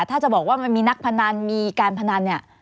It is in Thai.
ถ้าจะบอกว่ามันมีนักพนันมีการพนันเนี่ย